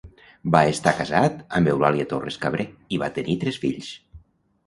Va estar casat amb Eulàlia Torres Cabrer i va tenir tres fills.